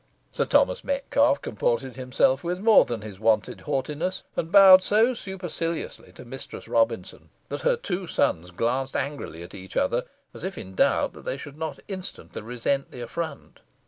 Sir Thomas Metcalfe comported himself with more than his wonted haughtiness, and bowed so superciliously to Mistress Robinson, that her two sons glanced angrily at each other, as if in doubt whether they should not instantly resent the affront.